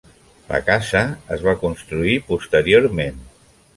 La casa es va construir posteriorment.